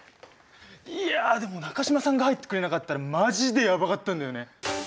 いやあでも中島さんが入ってくれなかったらマジでやばかったんだよね。